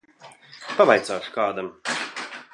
Pavaicāšu kādam.